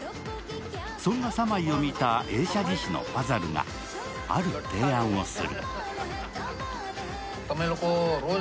そんなサマイを見た映写技師のファザルがある提案をする。